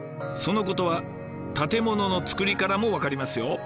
そのことは建物の造りからも分かりますよ。